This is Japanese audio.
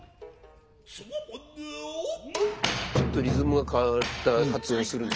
ちょっとリズムが変わった発音するんですよ。